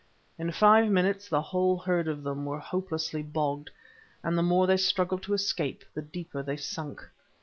In five minutes the whole herd of them were hopelessly bogged, and the more they struggled to escape, the deeper they sunk.